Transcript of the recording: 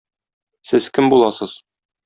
Сез кем буласыз?